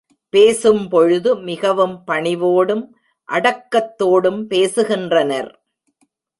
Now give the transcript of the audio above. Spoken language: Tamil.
பேசும் பொழுது மிகவும் பணிவோடும் அடக்கத்தோடும் பேசுகின்றனர்.